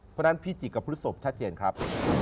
เพราะฉะนั้นพิจิกกับพฤศพชัดเจนครับ